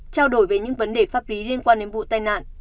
trao đổi về những vấn đề pháp lý liên quan đến vụ tai nạn